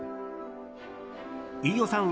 飯尾さん